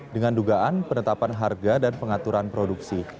dengan dugaan penetapan harga dan pengaturan produksi